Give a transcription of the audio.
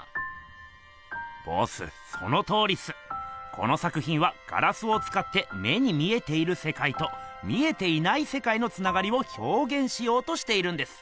この作ひんはガラスをつかって目に見えているせかいと見えていないせかいのつながりをひょうげんしようとしているんです。